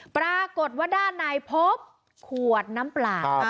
ปรากฏว่าด้านในพบขวดน้ำเปล่า